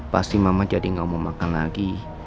pasti mama jadi gak mau makan lagi